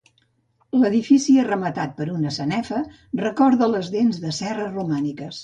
L'edifici és rematat per una sanefa, record de les dents de serra romàniques.